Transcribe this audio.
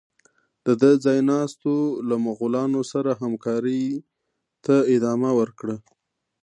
د ده ځای ناستو له مغولانو سره همکارۍ ته ادامه ورکړه.